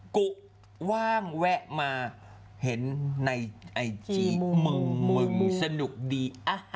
กูว่างแวะมาเห็นในไอจีมึงมึงสนุกดี